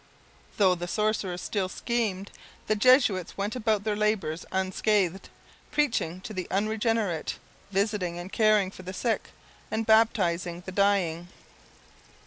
Though the sorcerer still schemed, the Jesuits went about their labours unscathed, preaching to the unregenerate, visiting and caring for the sick, and baptizing the dying.